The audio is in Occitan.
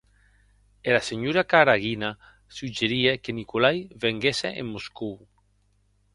Era senhora Karaguina suggerie que Nikolai venguesse en Moscòu.